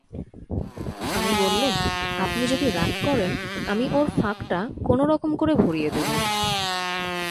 আমি বললুম, আপনি যদি রাগ করেন আমি ওর ফাঁকটা কোনোরকম করে ভরিয়ে দেব।